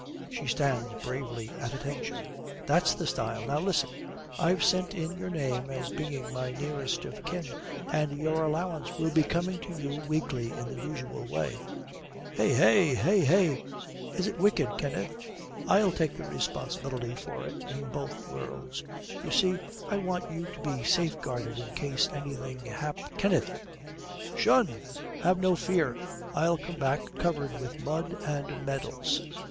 She stands bravely at attention. 'That's the style. Now listen, I've sent in your name as being my nearest of kin, and your allowance will be coming to you weekly in the usual way.' 'Hey! hey! hey! Is it wicked, Kenneth?' 'I'll take the responsibility for it in both worlds. You see, I want you to be safeguarded in case anything hap ' 'Kenneth!' ''Tion! Have no fear. I'll come back, covered with mud and medals.